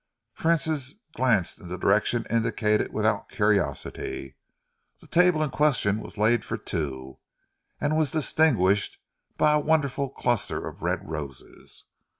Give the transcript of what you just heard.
Francis glanced in the direction indicated without curiosity. The table in question was laid for two and was distinguished by a wonderful cluster of red roses.